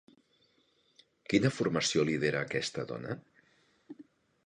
Quina formació lidera aquesta dona?